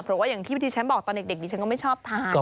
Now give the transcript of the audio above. เพราะว่าอย่างที่ที่ฉันบอกตอนเด็กดิฉันก็ไม่ชอบทาน